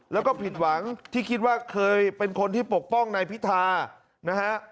แล้วก็ผิดหวังที่คิดว่าเคยเป็นคนที่ปกป้องนายพิธานะฮะ